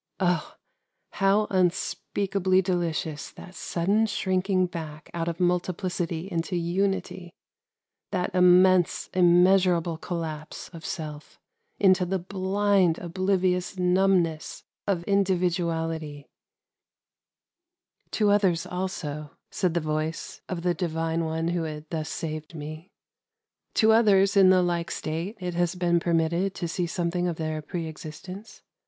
Oh ! how unspeakably delicious that sudden shrinking back out of multiplicity into unity! — that immense, im measurable collapse of Self into the blind oblivious numbness of individuality !" To others also," said the voice of the divine WITHIN THE CIRCLE 293 one who had thus saved me, —" to others in the like state it has been permitted to see something of their preexistence.